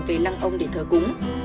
về lăng ông để thờ cúng